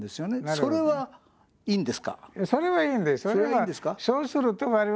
それはいいんです。